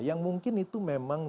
yang mungkin itu memang